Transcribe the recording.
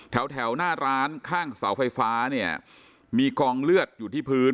แถวหน้าร้านข้างเสาไฟฟ้าเนี่ยมีกองเลือดอยู่ที่พื้น